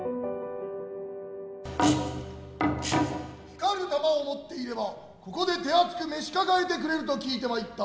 光る玉を持っていればここで手厚く召し抱えてくれると聞いて参った。